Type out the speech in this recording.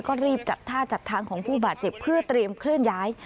ก็รีบจัดท่าจัดทางของผู้บาดเจ็บเพื่อเตรียมเคลื่อนย้าย